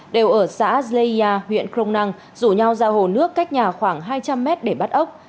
đều ở xã zleya huyện kronang rủ nhau ra hồ nước cách nhà khoảng hai trăm linh mét để bắt ốc